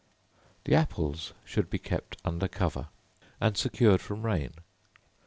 The apples should be kept under cover, and secured from rain.